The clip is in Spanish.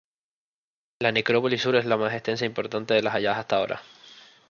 La "necrópolis sur" es la más extensa e importante de las halladas hasta ahora.